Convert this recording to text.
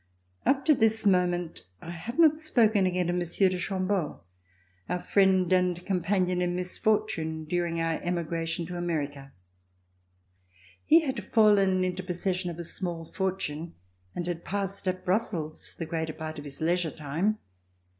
Up to this moment, I have not spoken again of Monsieur de Chambeau, our friend and companion in misfortune during our emigration to America. He had fallen into possession of a small fortune and had passed at Brussels the greater part of his leisure time.